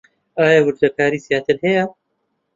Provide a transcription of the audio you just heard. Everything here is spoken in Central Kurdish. ئایا وردەکاریی زیاتر هەیە؟